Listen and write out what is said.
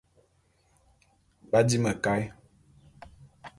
B'adi mekaé.